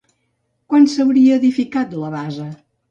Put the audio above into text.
Quan s'hauria edificat la base?